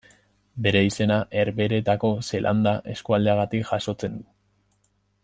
Bere izena Herbehereetako Zeelanda eskualdeagatik jasotzen du.